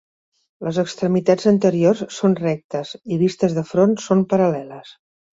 Les extremitats anteriors són rectes i, vistes de front, són paral·leles.